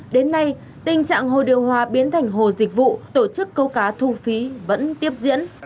đến nay tình trạng hồ điều hòa biến thành hồ dịch vụ tổ chức câu cá thu phí vẫn tiếp diễn